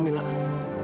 aku sudah pulang